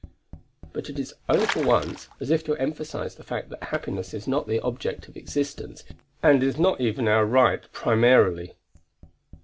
But it is only for once, as if to emphasize the fact that happiness is not the object of existence and is not even our right primarily.